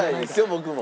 僕も。